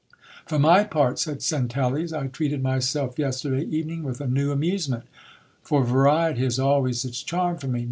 J For my part, 1 said Centelles,'T treated myself yesterday evening with a new amusement ; fo~ variety has always its charms for me.